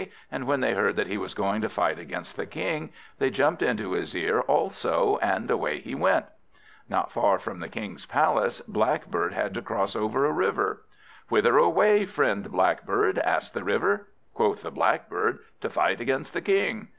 and when they heard that he was going to fight against the King, they jumped into his ear also, and away he went. Not far from the King's palace, Blackbird had to cross over a River. "Whither away, friend Blackbird?" asked the River. Quoth the Blackbird, "To fight against the King."